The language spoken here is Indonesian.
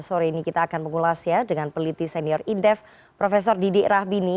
sore ini kita akan mengulas ya dengan peliti senior indef prof didi rahbini